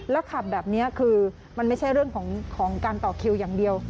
ขับแบบนี้คือมันไม่ใช่เรื่องของการต่อคิวอย่างเดียว